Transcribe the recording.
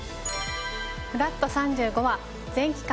フラット３５は全期間